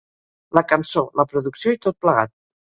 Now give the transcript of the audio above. La cançó, la producció i tot plegat.